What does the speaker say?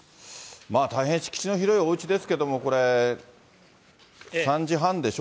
大変敷地の広いおうちですけれども、これ、３時半でしょ？